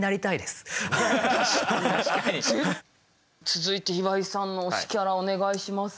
続いて岩井さんの推しキャラお願いします。